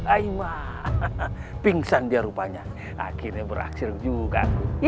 aimah pingsan dia rupanya akhirnya berakhir juga